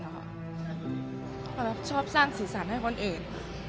และชอบสร้างสีสันให้คนอื่น